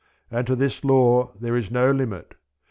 And to this law there is no limit.